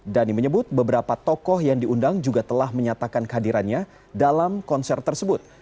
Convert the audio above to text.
dhani menyebut beberapa tokoh yang diundang juga telah menyatakan kehadirannya dalam konser tersebut